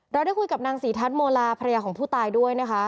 ได้คุยกับนางศรีทัศน์โมลาภรรยาของผู้ตายด้วยนะคะ